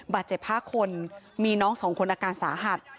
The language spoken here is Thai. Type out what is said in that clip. บาดเจ็บ๕คนมีน้อง๒คนอาการสาหัส